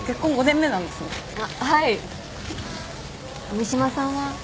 三島さんは？